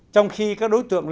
trong khi các đối tượng